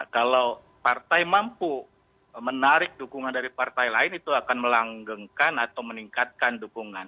kalau partai mampu menarik dukungan dari partai lain itu akan melanggengkan atau meningkatkan dukungan